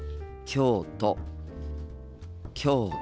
京都。